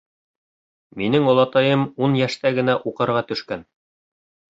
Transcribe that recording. Минең олатайым ун йәштә генә уҡырға төшкән.